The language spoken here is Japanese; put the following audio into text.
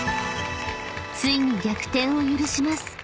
［ついに逆転を許します］